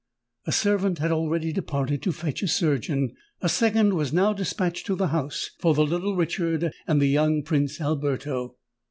A servant had already departed to fetch a surgeon: a second was now despatched to the house for the little Richard and the young Prince Alberto.